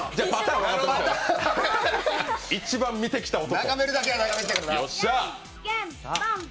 一番見てきた男。